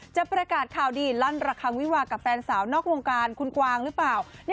จะประกาศข่าวดีลั่นระคังวิวากับแฟนสาวนอกวงการคุณกวางหรือเปล่า